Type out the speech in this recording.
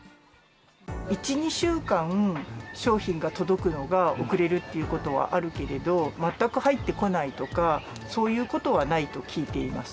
１、２週間、商品が届くのが遅れるということはあるけれども、全く入ってこないとか、そういうことはないと聞いています。